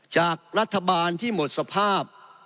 จากรัฐบาลที่หมดสภาพ